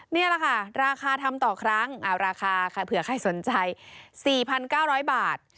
นี่แหละค่ะราคาทำต่อครั้งราคาเผื่อใครสนใจ๔๙๐๐บาท